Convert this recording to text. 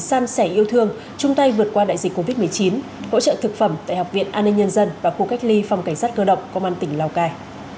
san sẻ yêu thương chung tay vượt qua đại dịch covid một mươi chín hỗ trợ thực phẩm tại học viện an ninh nhân dân và khu cách ly phòng cảnh sát cơ động công an tỉnh lào cai